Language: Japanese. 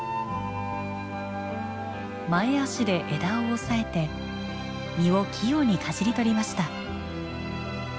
前足で枝を押さえて実を器用にかじり取りました。